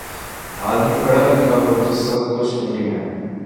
آدمی پڑھا لکھا ہو تو سب کچھ ممکن ہے